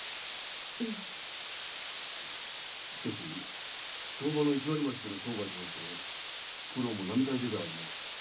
しかし相場の一割増しでの商売となると苦労も並大抵ではあるまい。